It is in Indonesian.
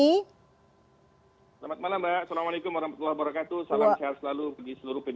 selamat malam mbak assalamualaikum wr wb